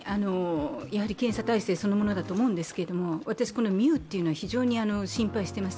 検査体制そのものだと思うんですけれども、私、ミューというのは非常に心配しています。